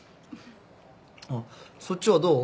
あっそっちはどう？